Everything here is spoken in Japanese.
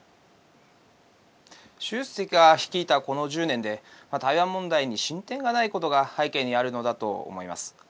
習主席が率いた、この１０年で台湾問題に進展がないことが背景にあるのだと思います。